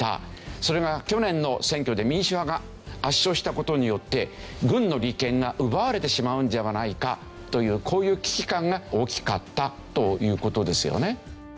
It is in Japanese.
それが去年の選挙で民主派が圧勝した事によって軍の利権が奪われてしまうんではないかというこういう危機感が大きかったという事ですよね。